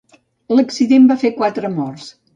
L'accident va fer quatre morts.